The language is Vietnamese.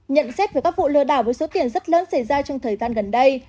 nhận xét về các vụ lừa đảo với số tiền rất lớn xảy ra trong thời gian gần đây